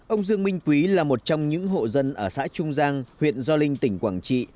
ông dương minh quý là một trong những hộ dân ở xã trung giang huyện gio linh tỉnh quảng trị